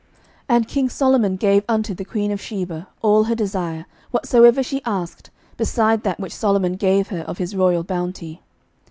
11:010:013 And king Solomon gave unto the queen of Sheba all her desire, whatsoever she asked, beside that which Solomon gave her of his royal bounty.